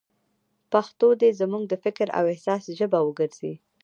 پښتو دې زموږ د فکر او احساس ژبه وګرځي.